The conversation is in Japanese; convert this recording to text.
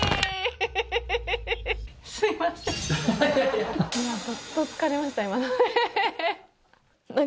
すみません。